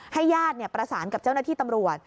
ญาติประสานกับเจ้าหน้าที่ตำรวจ